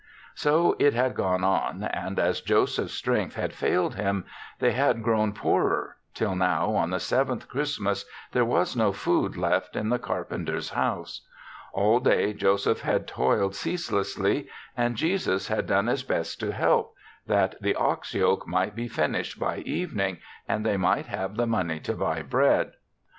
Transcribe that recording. So it had gone on, and as Joseph's strength had failed him they had grown poorer till now, on the Sev enth Christmas, there was no food left in the carpenter's house. All day Joseph had toiled ceaselessly and Jesus had done his best to help, that the ox yoke might be finished by evening and they might have the money to buy bread.